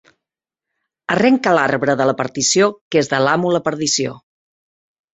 Arrenca l'arbre de la partició, que és de l'amo la perdició.